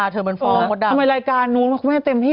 ทำไมรายการคุณแม่ของตัวใครปักษะ